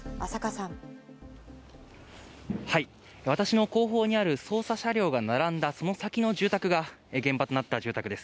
私の後方にある捜査車両が並んだその先の住宅が現場となった住宅です。